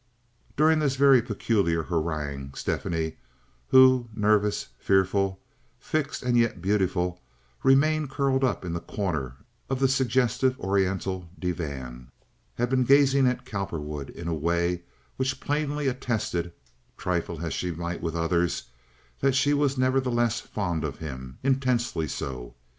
During this very peculiar harangue Stephanie, who, nervous, fearful, fixed, and yet beautiful, remained curled up in the corner of the suggestive oriental divan, had been gazing at Cowperwood in a way which plainly attested, trifle as she might with others, that she was nevertheless fond of him—intensely so.